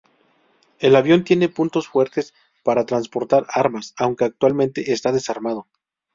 El avión tiene puntos fuertes para transportar armas, aunque actualmente está desarmado.